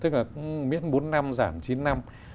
tức là miễn bốn năm giảm chín năm